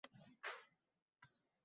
aslida sentyabrdan boshlab olasiz.